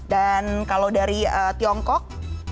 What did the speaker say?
dan kalau dari tiongkok